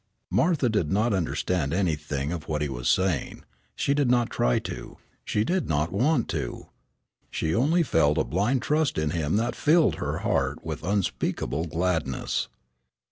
Martha did not understand anything of what he was saying. She did not try to; she did not want to. She only felt a blind trust in him that filled her heart with unspeakable gladness.